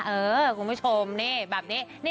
เออคุณผู้ชมนี่แบบนี้